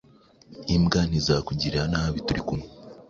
Imbwa ntizakugirira nabi turi kumwe